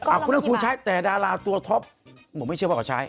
เอาคนนั้นคุณใช้แต่ดาราตัวท็อปผมไม่เชื่อว่าเขาใช้